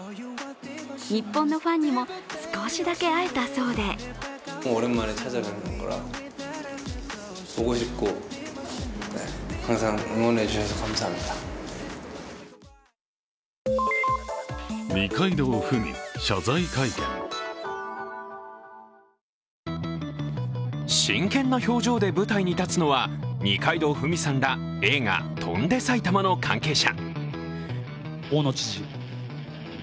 日本のファンにも少しだけ会えたそうで真剣な表情で舞台に立つのは二階堂ふみさんら映画「翔んで埼玉」の関係者。